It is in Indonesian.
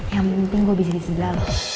yang penting gue bisa di sisi lo